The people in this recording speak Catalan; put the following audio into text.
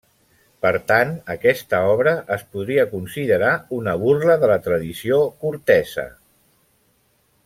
Per tant, aquesta obra es podria considerar una burla de la tradició cortesa.